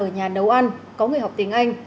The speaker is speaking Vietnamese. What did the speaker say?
nhà nấu ăn có người học tiếng anh